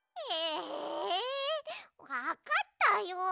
ええわかったよ。